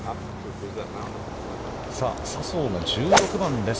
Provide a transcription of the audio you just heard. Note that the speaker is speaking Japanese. さあ笹生の１６番です。